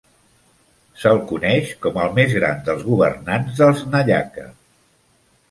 Se'l coneix com el més gran dels governants dels Nayaka.